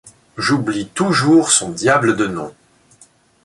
J’oublie toujours son diable de nom.